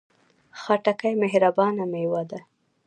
خټکی مهربانه میوه ده.